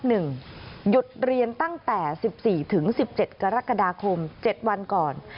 หยุดเรียนตั้งแต่๑๔ถึง๑๗กรกฎาคม๗วันก่อน